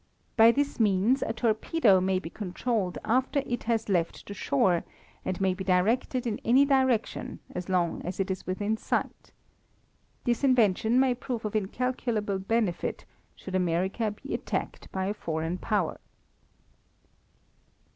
By this means a torpedo may be controlled after it has left the shore and may be directed in any direction as long as it is within sight. This invention may prove of incalculable benefit should America be attacked by a foreign power.